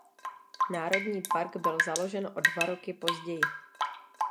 Národní park byl založen o dva roky později.